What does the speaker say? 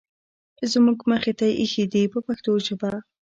زموږ مخې ته یې اېښي دي په پښتو ژبه.